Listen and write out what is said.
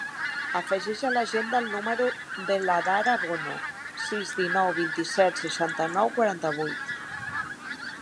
Afegeix a l'agenda el número de l'Adhara Bono: sis, dinou, vint-i-set, seixanta-nou, quaranta-vuit.